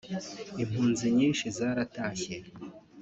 impunzi nyinshi zaratashye